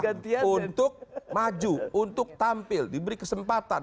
untuk maju untuk tampil diberi kesempatan